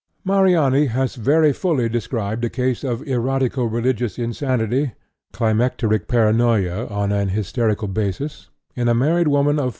'" Mariani has very fully described a case of erotico religious insanity (climacteric paranoia on an hysterical basis) in a married woman of 44.